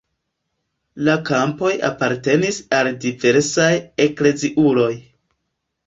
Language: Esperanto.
La kampoj apartenis al diversaj ekleziuloj.